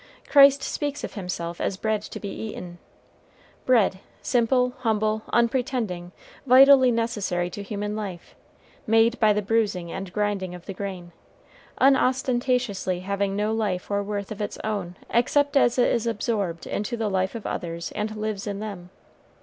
Christ speaks of himself as bread to be eaten, bread, simple, humble, unpretending, vitally necessary to human life, made by the bruising and grinding of the grain, unostentatiously having no life or worth of its own except as it is absorbed into the life of others and lives in them.